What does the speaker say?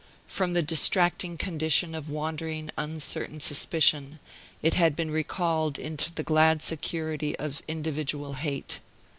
From the distracting condition of wandering uncertain suspicion, it had been recalled into the glad security of individual hate.